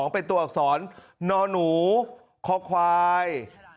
เป็นตัวอักษรนอหนูคอควาย